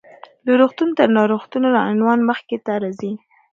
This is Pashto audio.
له روغتون تر ناروغتونه: عنوان مخې ته راځي .